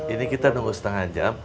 ini kita nunggu setengah jam